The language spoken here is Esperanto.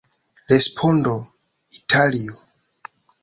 Respondo: Italio!